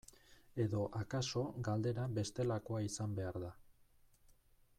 Edo akaso galdera bestelakoa izan behar da.